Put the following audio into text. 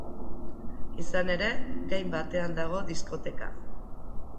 Izan ere, gain batean dago diskoteka.